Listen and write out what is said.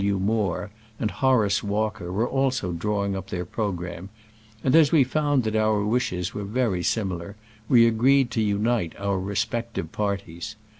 W. Moore and Horace Walker were also drawing up their programme, and, as we found that our wishes were very sim ilar, we agreed to unite our respective parties.